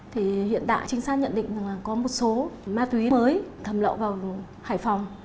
thì hiện tại trinh sát nhận định là có một số ma tùy mới thẩm lậu vào hải phòng